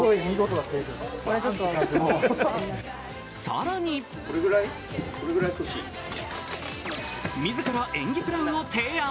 更に自ら演技プランを提案。